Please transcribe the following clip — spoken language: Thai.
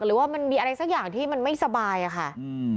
หรือว่ามันมีอะไรสักอย่างที่มันไม่สบายอะค่ะอืม